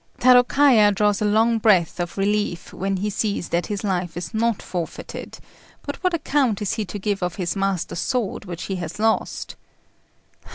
Tarôkaja draws a long breath of relief when he sees that his life is not forfeited; but what account is he to give of his master's sword which he has lost.